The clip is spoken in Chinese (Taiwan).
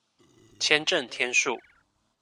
簽證天數